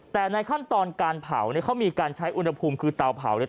แต่ในขั้นตอนการเผาเนี่ยเขามีการใช้อุณหภูมิคือเตาเผาเนี่ย